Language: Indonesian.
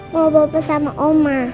mau bawa bersama oma